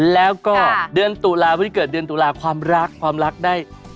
แล้วก็เดือนตุลาพุทธเกิดเดือนตุลาความรักได้